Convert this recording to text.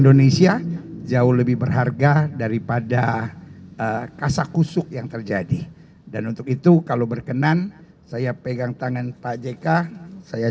terima kasih pak pendeta